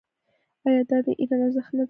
آیا دا د ایران ارزښت نه دی؟